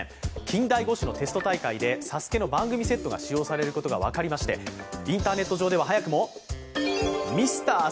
近代五種のテスト大会で「ＳＡＳＵＫＥ」の番組セットが使用されることが分かりまして、インターネット上では早くもミスターＳＡＳＵＫＥ